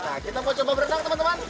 nah kita mau coba berenang teman teman